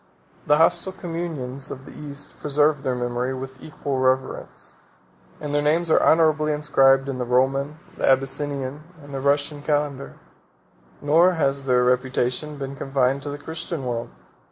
The hostile communions of the East preserve their memory with equal reverence; and their names are honorably inscribed in the Roman, the Abyssinian, and the Russian calendar. 46 Nor has their reputation been confined to the Christian world.